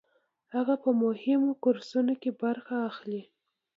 هغه په مهمو کورسونو کې برخه اخلي.